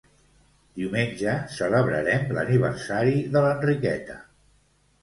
Diumenge celebrarem l'aniversari de l'Enriqueta